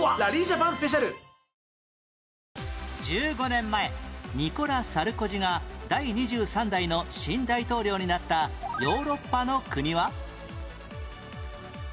１５年前ニコラ・サルコジが第２３代の新大統領になったヨーロッパの国は？